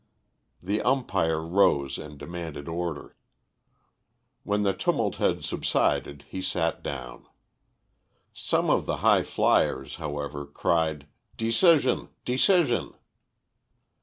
The umpire rose and demanded order. When the tumult had subsided, he sat down. Some of the High Fliers, however, cried, "Decision! Decision!"